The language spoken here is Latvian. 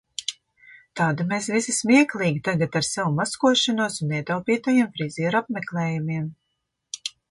Tādi mēs visi smieklīgi tagad ar savu maskošanos un ietaupītajiem frizieru apmeklējumiem.